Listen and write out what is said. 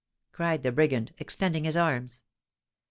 cried the brigand, extending his arms.